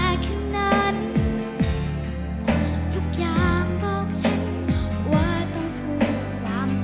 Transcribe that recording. ว่าต้องพูดความจริง